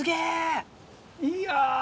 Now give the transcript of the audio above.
いや。